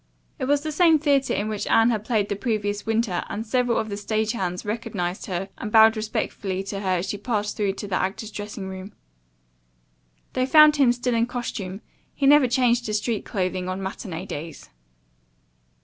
It was the same theatre in which Anne had played the previous winter and several of the stage hands recognized her and bowed respectfully to her as she passed through to the actor's dressing room. They found him still in costume. He never changed to street clothing on matinee days.